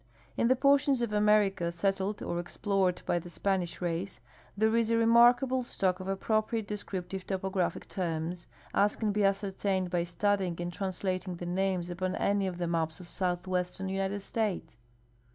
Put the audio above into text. In the portions of America settled or explored by the Spanish race there is a remarkable stock of appropriate descriptive topo graphic terms, as can be ascertained by studjdng and translat ing the names upon any of the maps of southwestern United States.